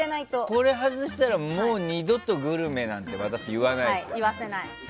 これ外したらもう二度とグルメなんて私、言わないです。